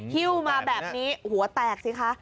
ฮิ้วมาแบบนี้หัวแตกสิคะ